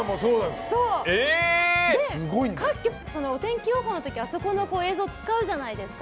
各局、お天気予報の時あそこの映像を使うじゃないですか。